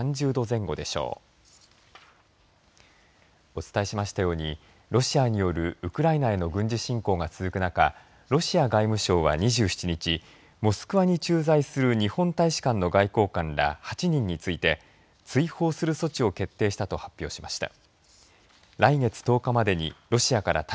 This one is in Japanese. お伝えしましたようにロシアによるウクライナへの軍事侵攻が続く中ロシア外務省は２７日モスクワに駐在する日本大使館の外交官ら８人について追放する措置を決定したと発表しました。